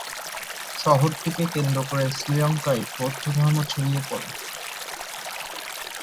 শহরটিকে কেন্দ্র করে শ্রীলঙ্কায় বৌদ্ধ ধর্ম ছড়িয়ে পড়ে।